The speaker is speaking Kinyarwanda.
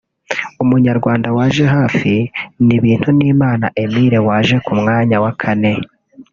Umunyarwanda waje hafi ni Bintunimana Emile waje ku mwanya wa kane